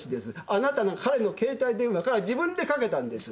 あなたが彼の携帯電話から自分でかけたんです。